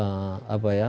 prosedur keselamatan kita